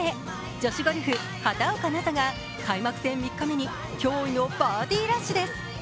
女子ゴルフ・畑岡奈紗が開幕戦３日目に驚異のバーディーラッシュです。